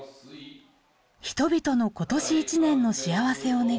人々の今年一年の幸せを願い